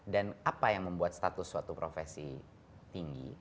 dan apa yang membuat status suatu profesi tinggi